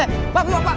eh pak pak pak